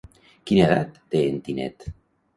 Quina edat té en Tinet?